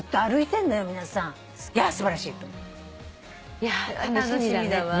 いや楽しみだね。